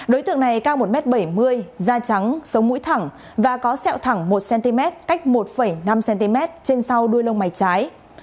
đối tượng này cao một m bảy mươi da trắng sống mũi thẳng và có sẹo thẳng một cm cách một năm cm trên sau đuôi lông mái trái